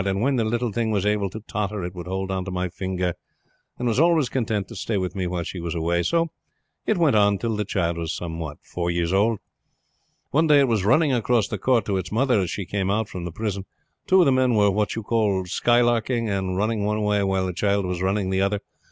And when the little thing was able to totter it would hold on to my finger, and was always content to stay with me while she was away. So it went on till the child was four years old. "One day it was running across the court to its mother as she came out from the prison. Two of the men were what you call skylarking, and running one way while the child was running the other.